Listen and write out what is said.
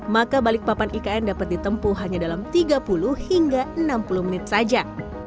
maka balikpapan ikn dapat ditempuh hanya dalam tiga puluh hingga enam puluh menit saja